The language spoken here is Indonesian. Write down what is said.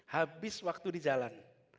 habis waktu di jalan